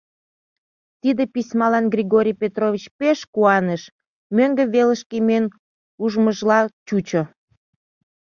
Тиде письмалан Григорий Петрович пеш куаныш: мӧҥгӧ велышке миен ужмыжла чучо.